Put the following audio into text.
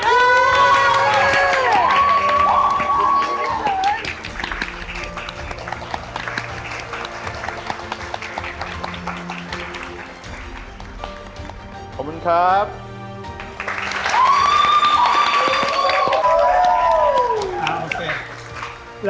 ขอให้พนักงานทุกคนร่วมแสดงความดีกับผู้จัดการฝ่ายขายคนใหม่ครับ